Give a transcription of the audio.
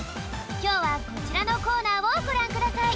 きょうはこちらのコーナーをごらんください！